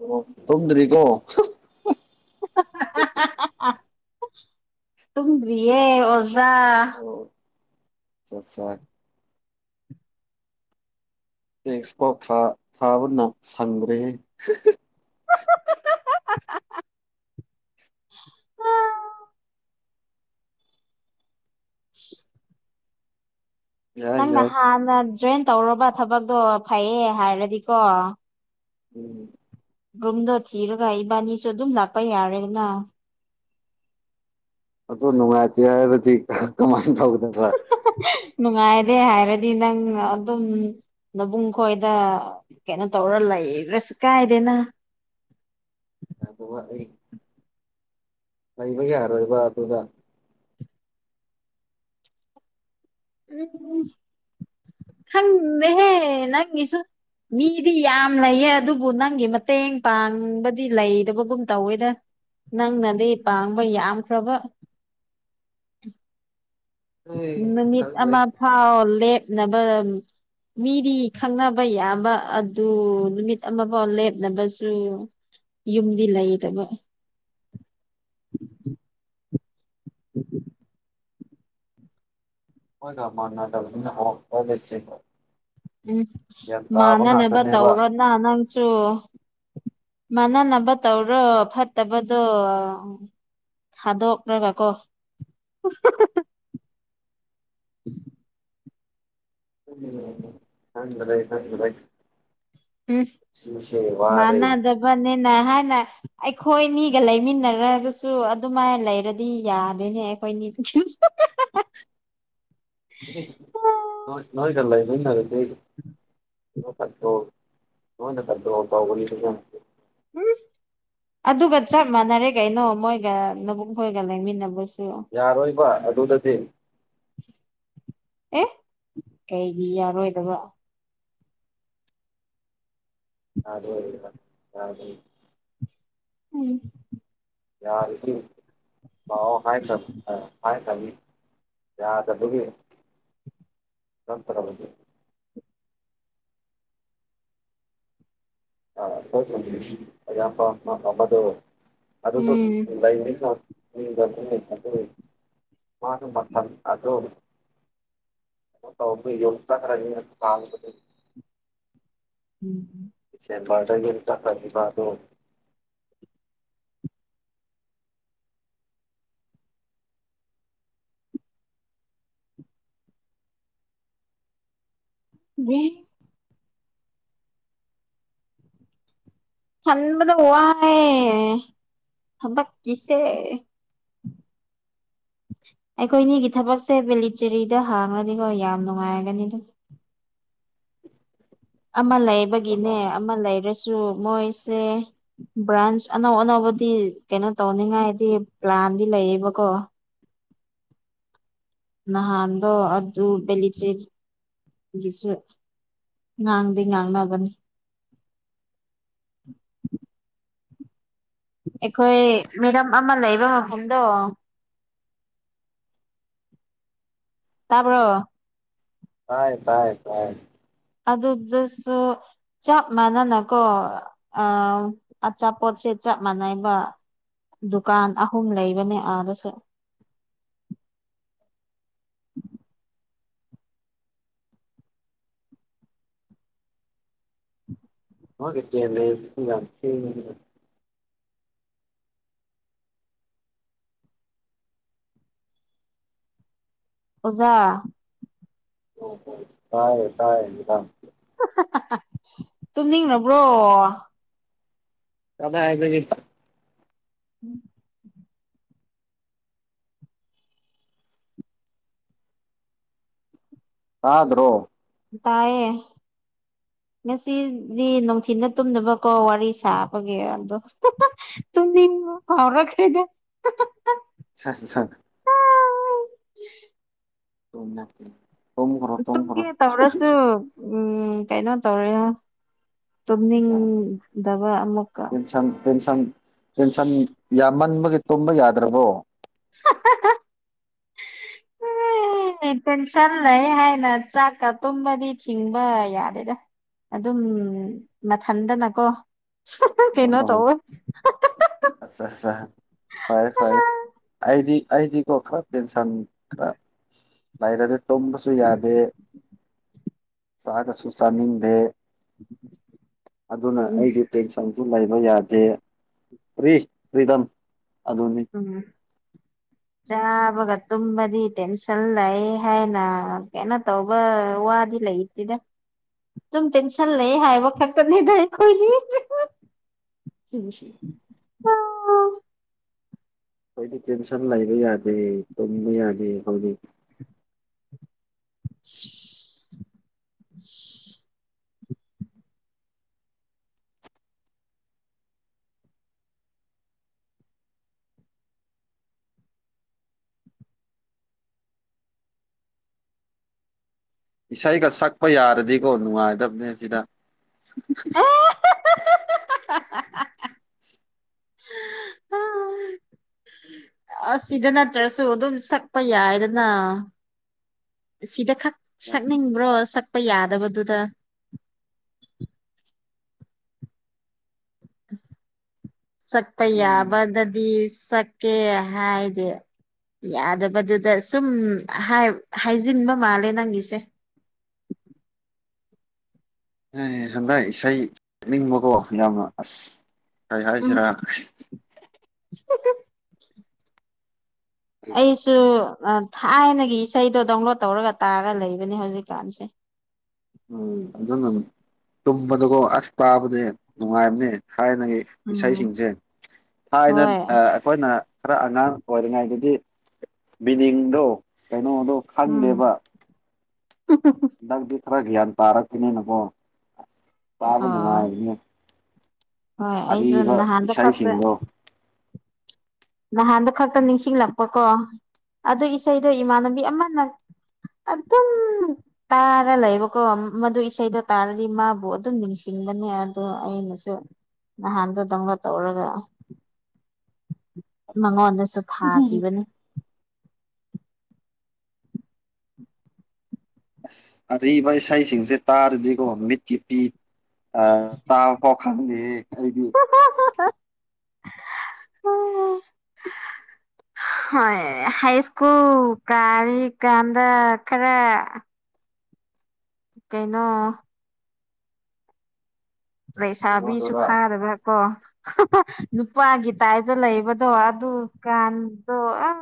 ꯑꯣ ꯇꯨꯝꯗ꯭ꯔꯤꯀꯣ ꯑꯗꯨꯝ ꯎꯨꯏꯌꯦ ꯑꯣꯖꯥ ꯍꯣ ꯆꯠꯆꯥ ꯇꯦꯛꯁꯄꯥꯎ ꯊꯥ ꯊꯥꯕꯅ ꯁꯪꯗ꯭ꯔꯦꯍꯦ ꯌꯥꯏ ꯅꯪꯅ ꯌꯥꯏ ꯍꯥꯟꯅ ꯖꯣꯏꯟ ꯇꯧꯔꯕ ꯊꯕꯛꯇꯣ ꯐꯩꯌꯦ ꯍꯥꯏꯔꯗꯤꯀꯣ ꯎꯝ ꯔꯨꯝꯗꯣ ꯊꯤꯔꯒ ꯏꯕꯥꯅꯤꯁꯨ ꯑꯗꯨꯝ ꯂꯥꯛꯄ ꯌꯥꯔꯦꯅꯥ ꯑꯗꯨ ꯅꯨꯡꯉꯥꯏꯇꯦ ꯍꯥꯏꯔꯗꯤ ꯀꯃꯥꯏꯟ ꯇꯧꯒꯗꯕ ꯅꯨꯡꯉꯥꯏꯔꯦ ꯍꯥꯏꯔꯗꯤ ꯅꯪꯅ ꯑꯗꯨꯝ ꯅꯕꯨꯡ ꯈꯣꯏꯗ ꯀꯩꯅꯣ ꯇꯧꯔ ꯂꯩꯕ꯭ꯔꯁꯨ ꯀꯥꯏꯗꯦꯅꯥ ꯉꯥꯏꯈꯣꯕꯥ ꯑꯩ ꯂꯩꯕ ꯌꯥꯔꯣꯏꯕ ꯑꯗꯨꯒ ꯎꯝ ꯈꯪꯗꯦꯍꯦ ꯅꯪꯒꯤꯁꯨ ꯃꯤꯗꯤ ꯌꯥꯝ ꯂꯩꯌꯦ ꯑꯗꯨꯕꯨ ꯅꯪꯒꯤ ꯃꯇꯦꯡ ꯄꯥꯡꯕꯗꯤ ꯂꯩꯗꯕꯒꯨꯝ ꯇꯧꯋꯦꯗ ꯅꯪꯅꯗꯤ ꯄꯥꯡꯕ ꯌꯥꯝꯈ꯭ꯔꯕ ꯎꯝ ꯑꯩ ꯈꯛꯂꯩ ꯍꯥ ꯑꯣ ꯂꯦꯞꯅꯕ ꯃꯤꯗꯤ ꯈꯪꯅꯕ ꯌꯥꯝꯕ ꯑꯗꯨ ꯅꯨꯃꯤꯠ ꯑꯃꯐꯥꯎ ꯂꯦꯞꯅꯕꯁꯨ ꯌꯨꯝꯗꯤ ꯂꯩꯗꯕ [inaudible] ꯍꯣꯏꯗ ꯃꯥꯥꯟꯅꯗꯕꯅꯤꯅꯥ [unintelligible] ꯎꯝ ꯃꯥꯟꯅꯅꯕ ꯉꯥꯛꯇꯅꯦꯕ ꯇꯧꯔꯣꯅ ꯅꯪꯁꯨ ꯃꯅꯥ ꯅꯕ ꯇꯧꯔꯣ ꯐꯠꯇꯕꯗꯣ ꯊꯗꯣꯛꯔꯒꯀꯣ ꯎꯝ [unintelligible] ꯈꯣꯗ꯭ꯔꯦ ꯁꯨꯁꯦ ꯋꯥꯔꯦ ꯃꯅꯤꯅ ꯍꯥꯏꯅ ꯑꯩꯈꯣꯏꯅꯤꯒ ꯂꯩꯃꯤꯟꯅꯔꯒꯁꯨ ꯑꯗꯨꯃꯥꯏꯅ ꯂꯩꯔꯗꯤ ꯌꯥꯗꯦꯅꯦ ꯑꯩꯈꯣꯏꯅꯤꯗꯤ ꯅꯣꯏꯅꯣꯏꯒ ꯂꯩꯃꯤꯟꯅꯔꯗꯤ [unintelligible] ꯂꯣꯏꯅꯥ ꯀꯟꯇꯔꯣꯜ ꯇꯧꯒꯅꯤꯗꯀꯣ ꯎꯝ ꯑꯗꯨꯒ ꯆꯞ ꯃꯥꯟꯅꯔꯦ ꯀꯩꯅꯣ ꯃꯣꯏꯒ ꯅꯕꯨꯡꯈꯣꯏꯒ ꯂꯩꯃꯤꯟꯅꯕꯁꯨ ꯌꯥꯔꯣꯏꯕ ꯑꯗꯨꯗꯗꯤ ꯑꯦ ꯀꯩꯒꯤ ꯌꯥꯔꯣꯏꯗꯕ ꯌꯥꯗꯦꯕ ꯌꯥꯗꯦ ꯎꯝ ꯌꯥꯔꯗꯤ ꯂꯥꯛꯑꯣ ꯍꯥꯏ ꯈ꯭ꯔ ꯍꯥꯏꯈ꯭ꯔꯝꯅꯤ ꯌꯥꯗꯕꯒꯤ ꯆꯠꯇꯔꯕꯗꯤ [unintelligible] ꯑꯌꯥꯝꯕ [unintelligible] ꯑꯃꯗꯣ ꯑꯗꯨꯁꯨ ꯎꯝ ꯑꯗꯨꯝ ꯂꯩꯃꯤꯟꯅ [unintelligible] [unintelligible] [unintelligible] ꯎꯝ ꯎꯝ ꯗꯤꯁꯝꯕꯥꯔꯗꯒꯤ ꯆꯥꯠꯈ꯭ꯔꯅꯤꯕ ꯑꯗꯨ [inaudible] ꯊꯟꯕꯗ ꯋꯥꯌꯦ ꯊꯥꯕꯛ ꯀꯤꯁꯦ ꯑꯩꯈꯣꯏꯅꯤꯒꯤ ꯊꯕꯛꯁꯦ ꯚꯦꯂꯤꯆꯦꯔꯤꯗ ꯍꯥꯡꯉꯅꯤꯀꯣ ꯌꯥꯝ ꯅꯨꯡꯉꯥꯏꯔꯒꯅꯤ ꯑꯗꯨꯝ ꯑꯃ ꯂꯩꯕꯒꯤꯅꯦ ꯑꯃ ꯂꯩꯔꯁꯨ ꯃꯣꯏꯁꯦ ꯕ꯭ꯔꯥꯟꯁ ꯑꯅꯧ ꯑꯅꯧꯕꯗꯤ ꯀꯩꯅꯣ ꯇꯧꯅꯤꯡꯉꯥꯏꯗꯤ ꯄ꯭ꯂꯥꯟꯗꯤ ꯂꯩꯌꯦꯕꯀꯣ ꯅꯍꯥꯟꯗꯣ ꯑꯗꯨ ꯕꯦꯂꯤꯆꯦ ꯒꯤꯁꯨ ꯉꯥꯡꯗꯤ ꯉꯥꯡꯅꯕꯅꯤ ꯑꯩꯈꯣꯏ ꯃꯦꯗꯥꯝ ꯑꯃ ꯂꯩꯕ ꯃꯐꯝꯗꯣ ꯇꯥꯕ꯭ꯔꯣ꯫ ꯇꯥꯏ ꯇꯥꯏ ꯇꯥꯢ꯫ ꯑꯗꯨꯗꯁꯨ꯫ ꯆꯞ ꯃꯥꯟꯅꯅꯀꯣ ꯑ ꯑꯆꯥꯄꯣꯠꯁꯦ ꯆꯞ ꯃꯥꯟꯅꯩꯕ ꯗꯨꯀꯥꯟ ꯑꯍꯨꯝ ꯂꯩꯕꯅꯦ ꯑꯗꯁꯨ [inaudible] ꯃꯥꯒꯤ ꯇꯦꯃꯦꯠꯇꯨ ꯌꯥꯝ ꯊꯦꯡꯉꯤꯅꯦꯍꯦ ꯑꯣꯖꯥ ꯇꯥꯢꯌꯦ ꯇꯥꯢꯌꯦ ꯃꯦꯗꯥꯝ ꯍꯨ ꯍ ꯍ ꯍ ꯇꯨꯝꯅꯤꯡꯉꯕ꯭ꯔꯣ ꯀꯗꯥꯢꯗꯒꯤ [unintelligible] ꯇꯥꯗ꯭ꯔꯣ ꯇꯥꯢꯌꯦ ꯉꯁꯤꯗꯤ ꯅꯣꯡꯊꯤꯟꯗ ꯇꯨꯝꯗꯕꯀꯣ ꯋꯥꯔꯤ ꯁꯥꯕꯒꯤ ꯑꯗꯣ ꯍꯣꯍꯣ ꯇꯨꯝꯅꯤꯡꯕ ꯐꯥꯎꯔꯛꯈ꯭ꯔꯦꯗ ꯍ ꯍ ꯁꯠ ꯁꯠ ꯇꯨꯝꯃꯛꯀꯦ ꯇꯨꯝꯒꯦ ꯇꯧꯔꯁꯨ ꯎꯝ ꯀꯩꯅꯣ ꯇꯧꯔꯦꯍ ꯇꯨꯝꯅꯤꯡꯗꯕ ꯑꯃꯨꯛꯀ ꯇꯦꯟꯁꯟ ꯇꯦꯟꯁꯟ ꯇꯦꯟꯁꯟ ꯌꯥꯝꯃꯟꯕꯒꯤ ꯇꯨꯝꯕ ꯌꯥꯗ꯭ꯔꯕꯣ ꯍꯥ ꯍꯥ ꯍ [unintelligible] ꯑꯩꯅꯤ ꯇꯦꯟꯁꯟ ꯂꯩꯌꯦ ꯍꯥꯢꯅ ꯆꯥꯛꯀ ꯇꯨꯝꯕꯗꯤ ꯊꯤꯡꯕ ꯌꯥꯗꯦꯗ ꯑꯗꯨꯝ ꯃꯊꯟꯗꯅꯀꯣ ꯍꯥ ꯍꯥ ꯀꯩꯅꯣ ꯑꯣ ꯇꯧꯋꯦ ꯍꯥ ꯑꯠꯆꯥ ꯑꯠꯆꯥ ꯐꯔꯦ ꯍꯥ ꯍꯥ ꯐꯔꯦ ꯍꯥ ꯑ ꯑꯩꯗꯤ ꯑꯩꯗꯤꯀꯣ ꯈꯔ ꯇꯦꯟꯁꯟ ꯈꯔ ꯂꯩꯔꯗꯤ ꯇꯨꯝꯕꯁꯨ ꯌꯥꯗꯦ ꯆꯒꯁꯨ ꯆꯥꯅꯤꯡꯗꯦ ꯑꯗꯨꯅ ꯎꯝ ꯑꯩꯗꯤ ꯇꯦꯟꯁꯟꯁꯨ ꯂꯩꯕ ꯌꯥꯗꯦ ꯐ꯭ꯔꯤ ꯐ꯭ꯔꯤꯗꯝ ꯑꯗꯨꯅꯤ ꯎꯝ ꯆꯥꯕꯒ ꯇꯨꯝꯕꯗꯤ ꯇꯦꯟꯁꯟ ꯂꯩ ꯍꯥꯢꯅ ꯀꯩꯅꯣ ꯇꯧꯕ ꯋꯥꯗꯤ ꯂꯩ ꯇꯦꯗ ꯗꯨꯝ ꯇꯦꯟꯁꯜ ꯂꯩꯌꯦ ꯍꯥꯢꯕ ꯈꯛꯇꯅꯤꯗ ꯑꯩꯈꯣꯢꯗꯤ ꯍ ꯍ ꯁꯤꯕꯨꯁꯤ ꯈꯣꯢꯗꯤ ꯇꯦꯟꯁꯟ ꯂꯩꯕ ꯌꯥꯗꯦ ꯇꯨꯝꯕ ꯌꯥꯗꯦ ꯍꯧꯖꯤꯛ [unintelligible] ꯏꯁꯩꯒ ꯁꯛꯄ ꯌꯥꯔꯗꯤꯀꯣ ꯅꯨꯡꯉꯥꯢꯗꯕꯅꯦ ꯁꯤꯗ ꯑꯁ ꯁꯤꯗ ꯅꯠꯇ꯭ꯔꯁꯨ ꯑꯗꯨꯝ ꯁꯛꯄ ꯌꯥꯢꯗꯅ ꯁꯤꯗ ꯈꯛ ꯁꯛꯅꯤꯡꯕ꯭ꯔꯣ ꯁꯛꯄ ꯌꯥꯗꯕꯗꯨꯗ ꯁꯛꯄ ꯎꯝ ꯌꯥꯕꯗꯗꯤ ꯁꯛꯀꯦ ꯍꯥꯢꯗꯦ ꯌꯥꯗꯕꯗꯨꯗ ꯁꯨꯝ ꯍꯥꯢ ꯍꯥꯢꯖꯤꯟꯕ ꯃꯥꯜꯂꯦ ꯅꯪꯒꯤꯁꯦ ꯑꯦ ꯍꯟꯗꯛ ꯏꯁꯩ ꯊꯛꯅꯤꯡꯕꯀꯣ ꯌꯥꯝꯅ ꯑꯁ ꯑꯩ ꯍꯥꯢꯁꯤꯔꯥ ꯍꯨꯝ ꯍꯨꯝ ꯑꯩꯁꯨ ꯑ ꯊꯥꯢꯅꯒꯤ ꯏꯁꯩꯗꯣ ꯗꯥꯎꯟꯂꯣꯗ ꯇꯧꯔꯒ ꯇꯥꯔꯒ ꯂꯩꯕꯅꯦ ꯍꯧꯖꯤꯛꯀꯥꯟꯁꯦ ꯎꯝ ꯑꯗꯨꯅ ꯇꯨꯝꯕꯗꯀꯣ ꯑꯁ ꯇꯥꯕꯗꯤ ꯅꯨꯡꯉꯥꯢꯕꯅꯦ ꯊꯥꯢꯅꯒꯤ ꯎꯝ ꯏꯁꯩꯖꯤꯡꯁꯦ ꯊꯥꯏꯅ ꯍꯣꯏ ꯑ ꯈꯣꯢꯅ ꯈ꯭ꯔ ꯑꯉꯥꯡ ꯑꯣꯢꯔꯤꯉꯩꯗꯗꯤ ꯃꯤꯅꯤꯡꯗꯣ ꯀꯩꯅꯣꯗꯣ ꯈꯪꯗꯦꯕ ꯍꯨꯝ ꯍꯨꯝ ꯍꯨꯝ ꯅꯪꯗꯤ ꯈꯔ ꯒ꯭ꯌꯥꯟ ꯇꯥꯔꯛꯄꯅꯤꯅꯀꯣ ꯇꯥꯕ ꯑꯣ ꯅꯨꯡꯉꯥꯢꯕꯅꯤ ꯍꯣꯏ ꯑꯩꯁꯨ ꯅꯍꯥꯟꯗꯣ ꯈꯛꯇ ꯏꯁꯩꯁꯤꯡꯗꯣ ꯅꯍꯥꯟꯗꯣ ꯈꯛꯇ ꯅꯤꯡꯁꯤꯡꯂꯛꯄ ꯀꯣ ꯑꯗꯨ ꯏꯁꯩꯗꯣ ꯏꯃꯥꯟꯅꯕꯤ ꯑꯃꯅ ꯑꯗꯨꯝ ꯇꯥꯔ ꯂꯩꯕꯀꯣ ꯃꯗꯨ ꯏꯁꯩꯗꯣ ꯇꯥꯔꯗꯤ ꯃꯥꯕꯨ ꯑꯗꯨꯝ ꯅꯤꯡꯁꯤꯡꯕꯅꯦ ꯑꯗꯣ ꯑꯩꯅꯁꯨ ꯅꯍꯥꯟꯗꯣ ꯗꯥꯎꯟꯂ‌ꯣꯠ ꯇꯧꯔꯒ ꯑꯁ ꯃꯉꯣꯟꯗꯁꯨ ꯊꯥꯈꯤꯕꯅꯤ ꯑꯁ ꯑꯔꯤꯕ ꯏꯁꯩꯁꯤꯡꯁꯦ ꯇꯥꯔꯗꯤꯀꯣ ꯃꯤꯠꯀꯤ ꯄꯤ ꯑꯥ ꯇꯥꯐ‌ꯣꯛ ꯈꯪꯗꯦꯍ‌ꯦ ꯑꯩꯗꯤ [unintelligible] ꯍꯣꯏ ꯍꯥꯏꯁ꯭ꯀꯨꯜ ꯀꯥꯔꯤ ꯀꯥꯟꯗ ꯈꯔ ꯀꯩꯅꯣ ꯂꯩꯁꯥꯕꯤꯁꯨ ꯀꯩꯅꯣꯗꯨꯔ ꯐꯥꯔꯕꯀꯣ ꯅꯨꯄꯥꯒꯤ ꯇꯥꯏꯞꯗ ꯂꯩꯕꯗꯣ ꯑꯗꯨꯀꯥꯟꯗꯣ ꯑ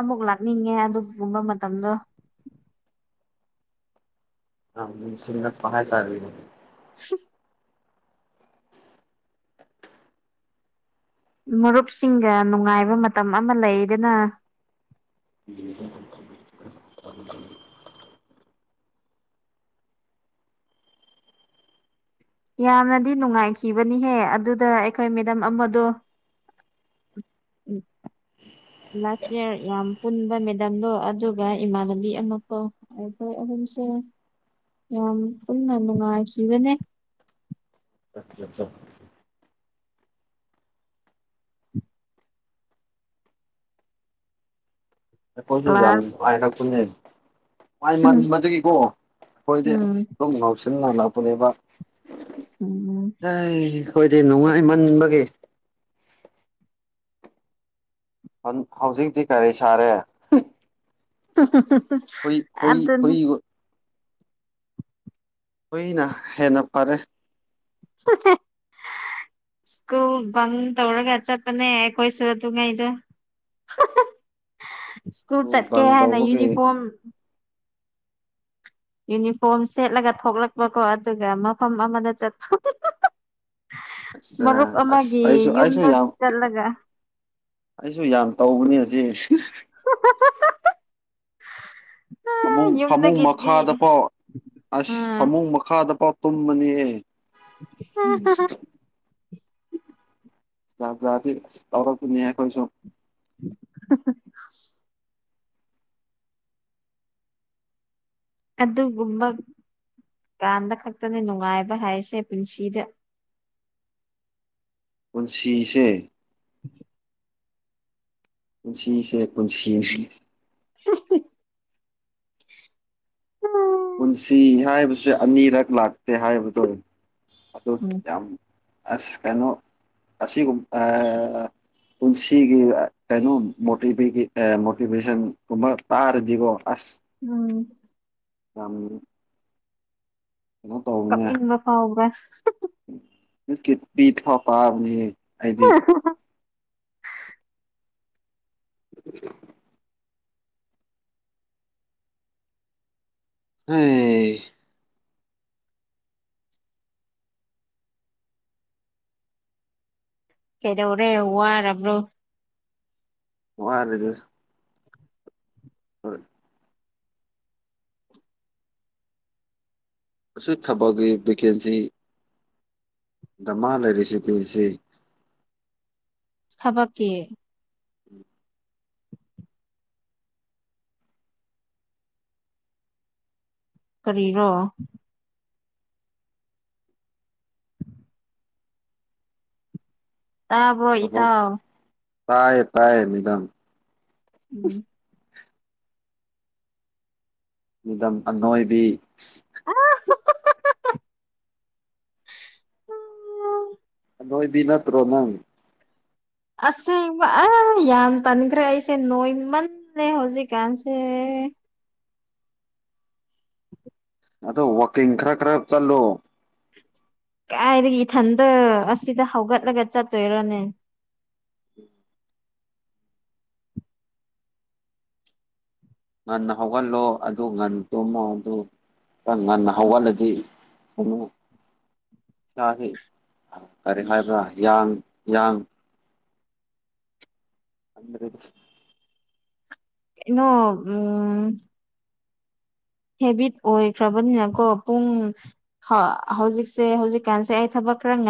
ꯑꯃꯨꯛ ꯂꯥꯛꯅꯤꯡꯉꯦ ꯑꯗꯨꯒꯨꯝꯕ ꯃꯇꯝꯗꯣ ꯑꯥꯝ ꯅꯤꯡꯁꯤꯡꯉꯛꯄ ꯍꯥꯏꯇꯥꯔ‌ꯦꯅ‌ꯦ ꯁꯤ ꯃꯔꯨꯞꯁꯤꯡꯒ ꯅꯨꯡꯉꯥꯏꯕ ꯃꯇꯝ ꯑꯃ ꯂꯩꯗꯅ [unintelligible] ꯎꯝ ꯌꯥꯝꯅꯗꯤ ꯅꯨꯡꯉꯥꯏꯈꯤꯕꯅꯤꯍꯦ ꯑꯗꯨꯗ ꯑꯩꯈꯣꯏ ꯃꯦꯗꯝ ꯑꯃꯗꯣ ꯎꯝ ꯂꯥꯁ ꯏꯌꯥꯔ ꯌꯥꯝ ꯄꯨꯟꯕ ꯃꯦꯗꯝꯗꯣ ꯑꯗꯨꯒ ꯏꯃꯥꯟꯅꯕꯤ ꯑꯃꯐꯧ ꯑꯩꯈꯣꯏ ꯑꯍꯨꯝꯁꯨ ꯌꯥꯝ ꯄꯨꯟꯅ ꯅꯨꯡꯉꯥꯏꯈꯤꯕꯅꯦ [unintelligible] ꯑꯈ‌ꯣꯏꯁꯨ ꯌꯥꯝ ꯀ꯭ꯂꯥꯁ ꯅꯨꯡꯉꯥꯏꯔꯛꯄꯅ‌ꯦ ꯃꯥꯏ ꯃꯟ ꯕꯗꯒꯤꯀꯣ ꯈ‌ꯣꯏꯗꯤ ꯑꯁ ꯎꯝ ꯑꯗꯨꯝ ꯉꯥꯎꯁꯤꯟꯅꯂꯛꯄꯅꯦꯕ ꯎꯝ [unintelligible] ꯈ‌ꯣꯏꯗꯤ ꯅꯨꯡꯉꯥꯏꯃꯟꯕꯒꯤ ꯐꯟ ꯍꯧꯖꯤꯛꯇꯤ ꯀꯔꯤ ꯁꯥꯔꯦ ꯍꯨꯏ ꯍꯨꯏ ꯑꯗꯨꯅꯦ ꯍꯨꯏ ꯍꯨꯏꯅ ꯍꯦꯟꯅ ꯐꯔꯦ ꯑ ꯁ꯭ꯀꯨꯜ ꯕꯪ ꯇꯧꯔꯒ ꯆꯠꯄꯅꯦ ꯑꯩꯈ‌ꯣꯏꯁꯨ ꯑꯗꯨ ꯉꯩꯗꯣ ꯁ꯭ꯀꯨꯜ ꯆꯠꯀꯦ ꯕꯪ ꯍꯥꯏꯅ ꯇꯧꯕꯒꯤ ꯌꯨꯅꯤꯐꯣꯔꯝ ꯌꯨꯅꯤꯐꯣꯔꯝ ꯁꯦꯠꯂꯒ ꯊꯣꯛꯂꯛꯄꯀꯣ ꯑꯗꯨꯒ ꯃꯐꯝ ꯑꯃꯗ ꯆꯠ ꯃꯔꯨꯞ ꯑꯁ ꯑꯁ ꯑꯃꯒꯤ ꯑꯩꯁꯨ ꯑꯩꯁꯨ ꯌꯨꯝꯗ ꯌꯥꯝ ꯆꯠꯂꯒ ꯑꯩꯁꯨ ꯌꯥꯝ ꯇꯧꯕꯅꯦ ꯑ [unintelligible] ꯐꯃꯨꯡ ꯐꯃꯨꯡ ꯌꯨꯝꯗꯒꯤꯗꯤ ꯃꯈꯥꯗꯐꯥꯎ ꯑꯁ ꯎꯝ ꯐꯃꯨꯡ ꯃꯈꯥꯗꯐꯥꯎ ꯇꯨꯝꯕꯅꯤꯍ‌ꯦ ꯎꯝ ꯖꯥꯠꯖꯥꯠꯗꯤ ꯑꯁ ꯇꯧꯔꯛꯄꯅꯤ ꯑꯈ‌ꯣꯏꯁꯨ [inaudible] ꯑꯗꯨꯒꯨꯝꯕ ꯀꯥꯟꯗ ꯈꯛꯇꯅ‌ꯦ ꯅꯨꯡꯉꯥꯏꯕ ꯍꯥꯏꯁꯦ ꯄꯨꯟꯁꯤꯗ ꯄꯨꯟꯁꯤꯁꯦ ꯎ ꯄꯨꯟꯁꯤꯁꯦ ꯄꯨꯟꯁꯤꯅꯤ [inaudible] ꯎꯝ ꯄꯨꯟꯁꯤ ꯍꯥꯏꯕꯁꯦ ꯑꯅꯤꯔꯛ ꯂꯥꯛꯇꯦ ꯍꯥꯏꯕꯗꯣ ꯑꯗꯨ ꯌꯥꯝ꯫ ꯑꯁ ꯀꯩꯅꯣ ꯑꯁꯤꯒꯨꯝ ꯑꯥ ꯄꯨꯟꯁꯤꯒꯤ꯫ ꯀꯩꯅꯣ ꯃꯣꯇꯤꯕꯦꯒꯤ ꯃꯣꯇꯤꯚꯦꯁꯟꯒꯨꯝꯕ ꯇꯥꯔꯗꯤꯒꯣ ꯑꯁ꯫ ꯎꯝ ꯌꯝꯃꯤ ꯀꯞꯅꯤꯡꯕ ꯐꯥꯎꯕ꯭ꯔ ꯕꯤꯁꯀꯤꯠ ꯄꯤ ꯊ ꯄꯥꯕꯅꯦꯍꯦ ꯑꯩꯗꯤ꯫ [inaudible] [inaudible] ꯑꯩ ꯑꯦ ꯀꯦꯗꯧꯔꯦ ꯋꯥꯔꯕ꯭ꯔꯣ꯫ ꯋꯥꯗꯦꯗ ꯍꯣꯏ ꯑꯁꯤ ꯊꯕꯛꯒꯤ ꯚꯦꯀꯦꯟꯁꯤ ꯗꯃꯥ ꯂꯩꯔꯤꯁꯤ ꯊꯤꯔꯤꯁꯤ ꯊꯕꯥꯛꯀꯤ ꯀꯔꯤꯔꯣ ꯇꯥꯕ꯭ꯔꯣ ꯏꯇꯥꯎ ꯇꯥꯏ ꯇꯥꯏꯌꯦ ꯃꯦꯗꯝ꯫ ꯎꯝ ꯃꯦꯗꯝ ꯑꯅꯣꯏꯕꯤ꯫ ꯑꯍꯍꯍꯍꯍ ꯑꯅꯣꯏꯕꯤ ꯅꯠꯇ꯭ꯔꯣ ꯅꯪ꯫ ꯑꯁꯦꯡꯕ ꯑ ꯌꯥꯝ ꯇꯟꯈ꯭ꯔꯦ ꯑꯩꯁꯦ ꯅꯣꯏꯃꯟ ꯂꯦ ꯍꯧꯖꯤꯛ ꯀꯥꯟꯁꯦ ꯑꯗꯣ ꯋꯥꯀꯤꯡ ꯈꯔ ꯈꯔ ꯆꯠꯂꯣ ꯀꯥꯏꯗꯒꯤ ꯏꯊꯟꯇ ꯑꯁꯤꯗ ꯍꯧꯒꯠꯂꯒ ꯆꯠꯇꯣꯏꯔꯅꯦ ꯉꯟꯅ ꯍꯧꯒꯠꯂꯣ ꯑꯗꯨ ꯉꯟꯅ ꯇꯨꯝꯃꯣ ꯑꯗꯨ ꯈ ꯉꯟꯅ ꯍꯧꯒꯠꯂꯗꯤ꯫ [unintelligible] ꯆꯥꯁꯤ ꯀꯔꯤ ꯍꯥꯏꯕ꯭ꯔꯥ ꯌꯥꯡ ꯌꯥꯡ ꯈꯟꯕꯗꯗꯤ ꯀꯩꯅꯣ ꯎꯝ ꯍꯦꯕꯤꯠ ꯑꯣꯏꯈ꯭ꯔꯕꯅꯤꯅꯀꯣ ꯄꯨꯡ꯫ ꯍ ꯍꯧꯖꯤꯛꯁꯦ ꯍꯧꯖꯤꯛꯀꯥꯟꯁꯦ ꯑꯩ ꯊꯕꯛ ꯈꯔ ꯉꯟ